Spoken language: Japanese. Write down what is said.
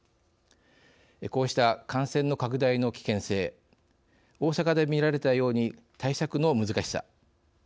こうした感染の拡大の危険性大阪で見られたように対策の難しさ